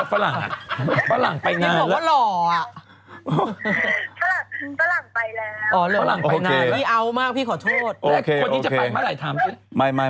โอ้ยมีคนไม่เชิญหนุ่มเยอะมากไม่แน่